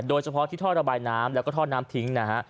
โดยเฉพาะที่ท่อระบายน้ำแล้วก็ท่อน้ำทิ้งนะฮะ